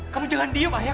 kamu jangan diem ayah